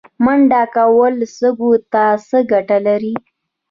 منډه کول سږو ته څه ګټه لري؟